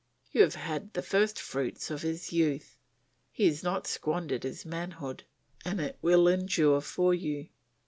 You have had the first fruits of his youth; he has not squandered his manhood and it will endure for you.